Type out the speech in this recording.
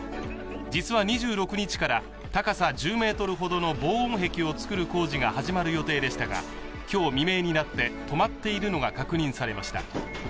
実は２６日から高さ１０ｍほどの防音壁を造る工事が始まる予定でしたが、今日未明になって、止まっているのが確認されました。